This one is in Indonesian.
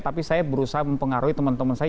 tapi saya berusaha mempengaruhi teman teman saya